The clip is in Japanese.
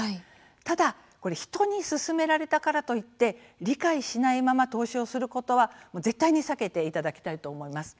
ただ人に勧められたからといって理解しないまま投資をすることは絶対に避けていただきたいと思います。